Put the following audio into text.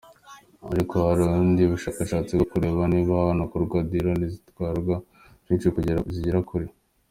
Ariko hari ubundi bushakashatsi bwo kureba niba hanakorwa ‘Dirone’ zitwara byinsh kandi zigera kure.